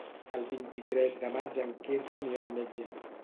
El vint-i-tres de maig en Quirze anirà al metge.